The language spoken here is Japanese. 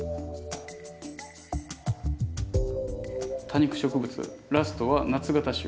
多肉植物ラストは夏型種。